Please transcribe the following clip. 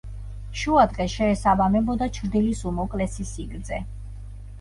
შუადღეს შეესაბამებოდა ჩრდილის უმოკლესი სიგრძე.